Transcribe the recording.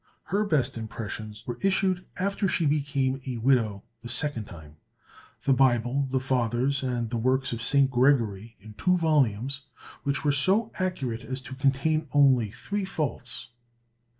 Her best impressions were issued after she became a widow the second time, the Bible, the Fathers, and the works of St. Gregory in two volumes, which were so accurate as to contain only three faults.